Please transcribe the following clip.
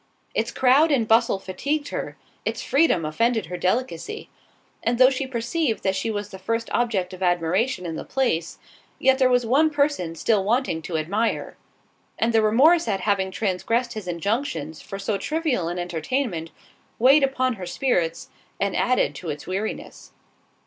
Its crowd and bustle fatigued her—its freedom offended her delicacy—and though she perceived that she was the first object of admiration in the place, yet there was one person still wanting to admire; and the remorse at having transgressed his injunctions for so trivial an entertainment, weighed upon her spirits, and added to its weariness.